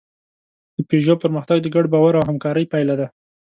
د پيژو پرمختګ د ګډ باور او همکارۍ پایله ده.